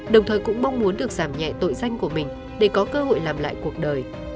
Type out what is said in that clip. đồng thời cũng mong muốn được giảm nhẹ tội danh của mình để có cơ hội làm lại cuộc đời